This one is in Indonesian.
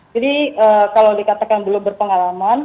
jadi kalau dikatakan belum berpengalaman